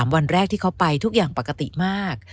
วันแรกที่เขาไปทุกอย่างปกติมาก